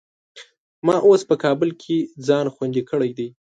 ما اوس په کابل کې ځان خوندي کړی دی.